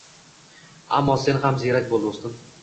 Ammo sen ham ziyrak bo‘l, do‘stim.